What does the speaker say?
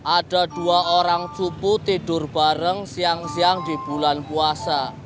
ada dua orang supu tidur bareng siang siang di bulan puasa